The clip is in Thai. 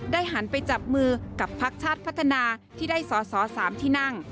หันไปจับมือกับพักชาติพัฒนาที่ได้สอสอ๓ที่นั่ง